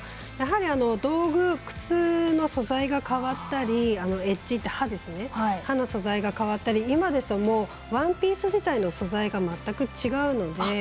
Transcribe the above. やはり道具、靴の素材が変わったりエッジ、刃の素材が変わったり今ですとワンピース自体の素材が全く違うので。